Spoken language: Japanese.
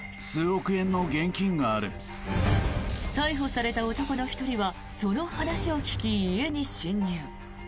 逮捕された男の１人はその話を聞き、家に侵入。